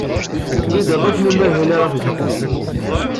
Tlid aṭas n umahil ara tged.